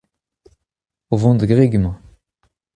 o vont da gregiñ emañ.